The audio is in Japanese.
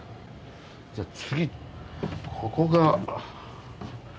じゃ次ここが。